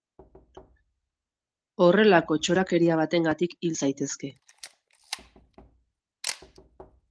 Horrelako txorakeria batengatik hil zaitezke.